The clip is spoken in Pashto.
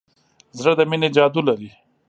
زړه د مینې جادو لري.